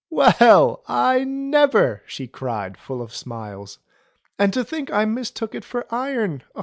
"Well! I never!" she cried, full of smiles. "And to think I mistook it for iron.